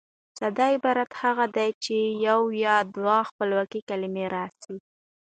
ساده عبارت هغه دئ، چي یوه یا دوې خپلواکي کلیمې راسي.